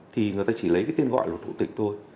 thì người ta chỉ lấy cái tên gọi luật thủ tịch thôi